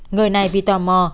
người này vì tò mò